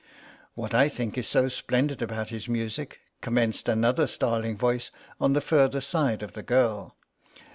"What I think is so splendid about his music—" commenced another starling voice on the further side of the girl.